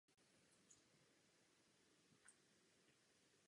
Jednoznačně nemůžeme podlehnout uspokojení.